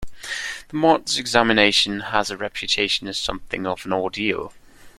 The Mods examination has a reputation as something of an ordeal.